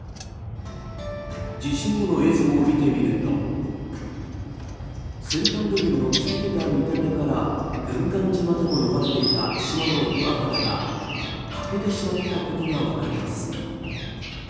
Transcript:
地震後の映像を見てみると先端部分の突き出た見た目から軍艦島とも呼ばれていた島の岩肌が欠けてしまったことが分かります。